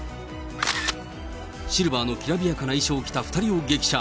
シルバーのきらびやかな衣装を着た２人を激写。